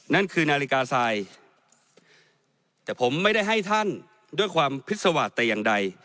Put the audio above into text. นั่นคือนาฬิกาทรายแต่ผมไม่ได้ให้ท่านด้วยความพิษวาสแต่อย่างใด